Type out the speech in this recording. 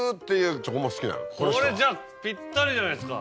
これじゃあピッタリじゃないですか。